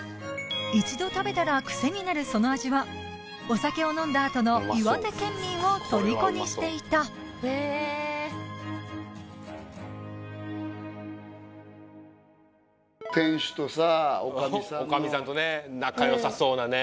一度食べたらクセになるその味はお酒を飲んだあとの岩手県民をとりこにしていた店主とさ女将さんの女将さんとね仲良さそうなね